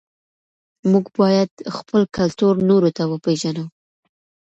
موږ باید خپل کلتور نورو ته وپېژنو.